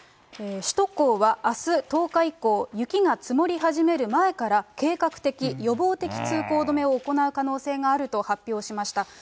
首都高はあす１０日以降、雪が積もり始める前から、計画的・予防的通行止めを行う可能性があると発表しました。